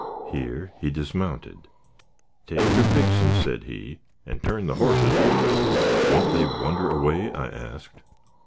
Here he dismounted. "Take yer fixins'," said he, "and turn the hosses loose." "Won't they wander away?" I asked.